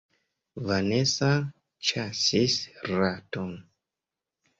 Vanesa ĉasis raton.